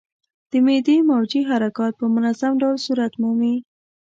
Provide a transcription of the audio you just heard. د معدې موجې حرکات په منظم ډول صورت مومي.